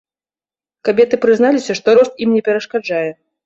Кабеты прызналіся, што рост ім не перашкаджае.